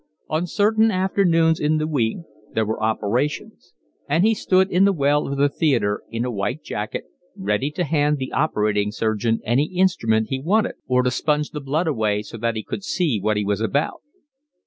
On certain afternoons in the week there were operations; and he stood in the well of the theatre, in a white jacket, ready to hand the operating surgeon any instrument he wanted or to sponge the blood away so that he could see what he was about.